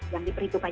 yang diperhitung aja